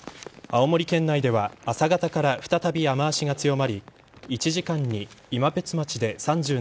青森県内では朝方から再び雨脚が強まり１時間に今別町で３７ｍｍ